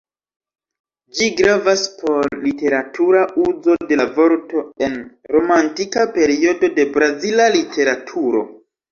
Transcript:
Ĝi gravas por literatura uzo de la vorto en romantika periodo de brazila literaturo.